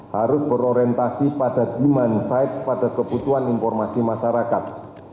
harus berorientasi pada demand side pada kebutuhan informasi masyarakat